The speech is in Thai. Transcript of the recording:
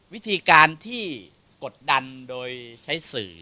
วิธีการที่กดดันโดยใช้สื่อ